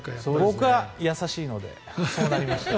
僕は優しいのでそうなりました。